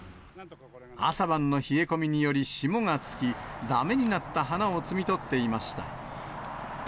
朝晩の冷え込みにより、霜がつき、だめになった花を摘み取っていました。